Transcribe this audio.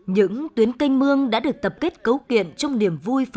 những tuyến canh mương đã được tập kết cấu kiện trong niềm vui